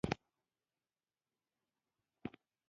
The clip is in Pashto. بادام د زهرجنو موادو د بدن څخه بهر کولو کې مرسته کوي.